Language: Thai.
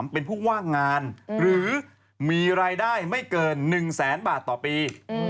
เป็นผู้ว่างงานหรือมีรายได้ไม่เกิน๑แสนบาทต่อปี